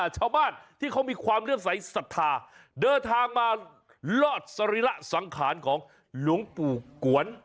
ชาวบ้านที่เขามีความเรื่องใสสัทธาเดินทางมาลอดสรีระสังขารของหลวงปู่กวน